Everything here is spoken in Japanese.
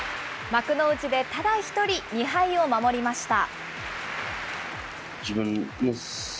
幕内でただ１人２敗を守りました。